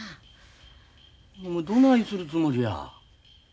どないするつもりや？